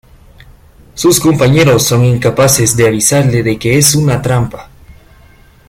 Sus compañeros son incapaces de avisarle de que es una trampa.